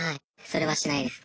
それはしないです。